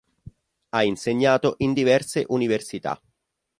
Ha insegnato in diverse università.